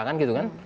kan gitu kan